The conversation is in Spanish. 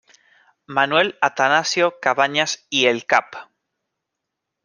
Manuel Atanasio Cabañas y el Cap.